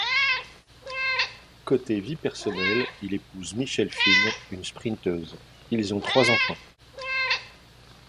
Côté vie personnelle, il épouse Michelle Finn une sprinteuse, ils ont trois enfants.